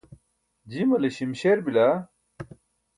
jimale śimśer bila.